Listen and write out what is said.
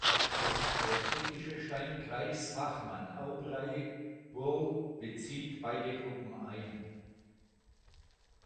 Der britische Steinkreis-Fachmann Aubrey Burl bezieht beide Gruppen ein.